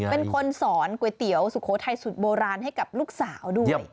เป็นคนสอนก๋วยเตี๋ยวสุโขทัยสุดโบราณให้กับลูกสาวด้วย